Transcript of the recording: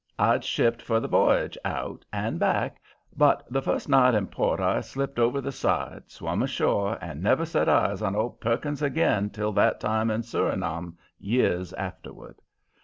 I'd shipped for the v'yage out and back, but the first night in port I slipped over the side, swum ashore, and never set eyes on old Perkins again till that time in Surinam, years afterward.